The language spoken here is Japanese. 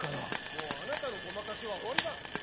もうあなたのごまかしは終わりだ！